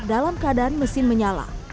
dalam keadaan mesin menyala